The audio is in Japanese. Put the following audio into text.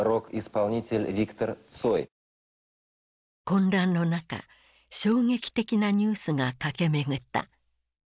混乱の中衝撃的なニュースが駆け巡った。